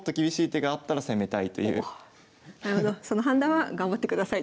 その判断は頑張ってくださいと。